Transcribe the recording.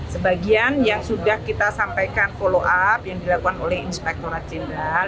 sebagian yang sudah kita sampaikan follow up yang dilakukan oleh inspektorat jenderal